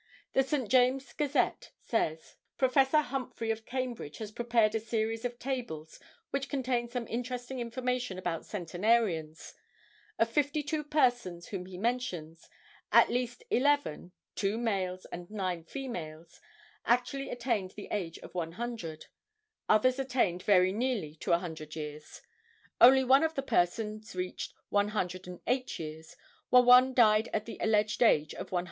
The St. James Gazette says:— "Prof. Humphry of Cambridge has prepared a series of tables which contain some interesting information about centenarians. Of 52 persons whom he mentions, at least 11—2 males and 9 females—actually attained the age of 100. Others attained very nearly to the hundred years. Only one of the persons reached 108 years, while one died at the alleged age of 106.